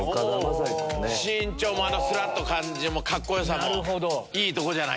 身長もすらっとした感じもカッコよさもいいとこじゃない？